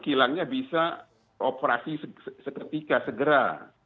kilangnya bisa beroperasi seketika segera